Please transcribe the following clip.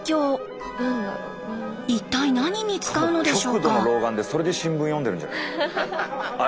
一体何に使うのでしょうか。